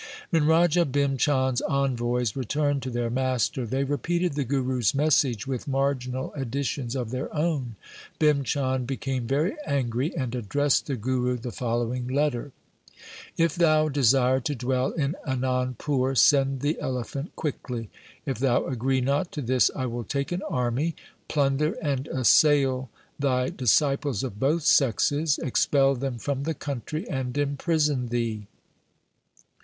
When Raja Bhim Chand's envoys returned to their master, they repeated the Guru's message with marginal additions of their own. Bhim Chand became very angry and addressed the Guru the following letter :' If thou desire to dwell in Anand pur, send the elephant quickly. If thou agree not to this, I will take an army, plunder and assail thy disciples of both sexes, expel them from the country, and imprison thee.